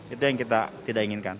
itu yang kita tidak inginkan